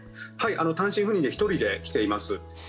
はい、単身赴任で１人で来ています。